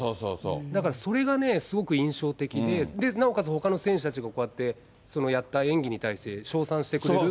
だからそれがね、すごく印象的で、なおかつほかの選手たちがこうやって、やった演技に対して称賛してくれる。